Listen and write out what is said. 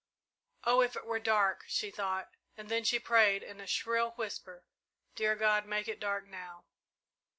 "Oh, if it were dark!" she thought, and then she prayed, in a shrill whisper: "Dear God, make it dark now!"